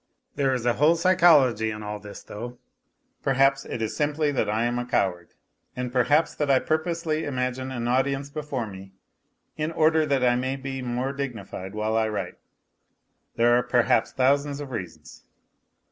There is a whole psychology in all this, though. Perhaps it is simply that I am a coward. And perhaps that I purposely imagine an audience before me in order that I. may be more dignified while I write. There are perhaps thousands of reasons.